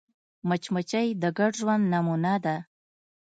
مچمچۍ د ګډ ژوند نمونه ده